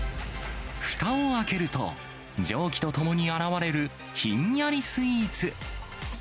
ふたを開けると、蒸気とともに現れるひんやりスイーツ。